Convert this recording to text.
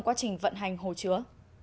quá trình vận hành hồ chứa